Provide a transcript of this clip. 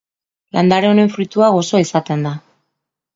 Landare honen fruitua gozoa izaten da.